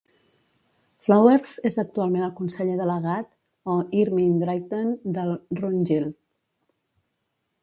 Flowers és actualment el conseller delegat, o "Yrmin-Drighten", del Rune-Gild.